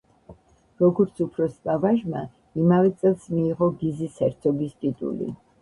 როგორც უფროსმა ვაჟმა ამავე წელს მიიღო გიზის ჰერცოგის ტიტული.